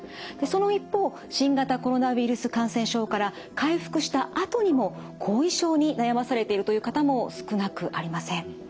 その一方新型コロナウイルス感染症から回復したあとにも後遺症に悩まされているという方も少なくありません。